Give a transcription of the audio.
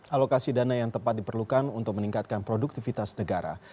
alokasi dana yang tepat diperlukan untuk meningkatkan produktivitas negara